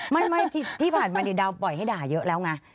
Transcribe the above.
ไม่ที่ผ่านมาดาวปล่อยให้ด่าเยอะแล้วไง